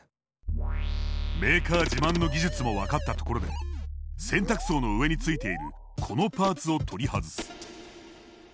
メーカー自慢の技術も分かったところで洗濯槽の上についているこのパーツを取り外す。